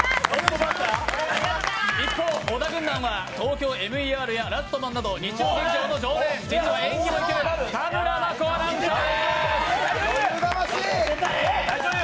一方、小田軍団は「ＴＯＫＹＯＭＥＲ」や「ラストマン」でおなじみ日曜劇場の常連、実は演技もいける田村真子アナウンサーです。